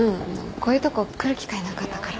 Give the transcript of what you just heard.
こういうとこ来る機会なかったから。